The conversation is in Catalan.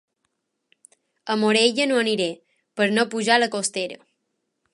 A Morella no aniré, per no pujar la costera.